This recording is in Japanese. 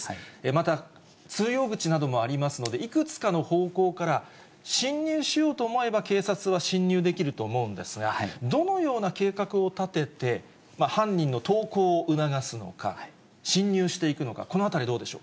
また通用口などもありますので、いくつかの方向から進入しようと思えば警察は進入できると思うんですが、どのような計画を立てて、犯人の投降を促すのか、進入していくのか、このあたりどうでしょ